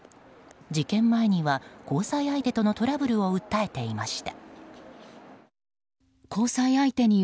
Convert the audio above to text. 事件前には交際相手とのトラブルを訴えていました。